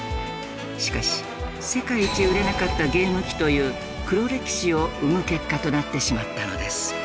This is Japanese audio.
しかし世界一売れなかったゲーム機という黒歴史を生む結果となってしまったのです。